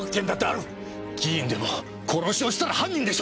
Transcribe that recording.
議員でも殺しをしたら犯人でしょ！